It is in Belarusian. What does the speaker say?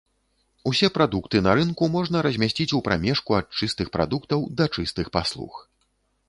Усе прадукты на рынку можна размясціць у прамежку ад чыстых прадуктаў да чыстых паслуг.